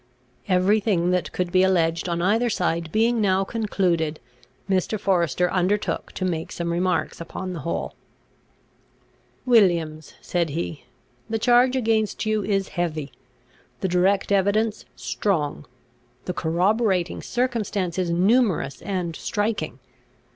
Every thing that could be alleged on either side being now concluded, Mr. Forester undertook to make some remarks upon the whole. "Williams," said he, "the charge against you is heavy; the direct evidence strong; the corroborating circumstances numerous and striking.